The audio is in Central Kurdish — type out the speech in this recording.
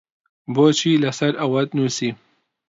بۆچی لەسەر ئەوەت نووسی؟